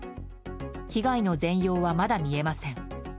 被害の全容はまだ見えません。